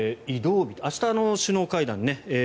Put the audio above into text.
移動日、明日の首脳会談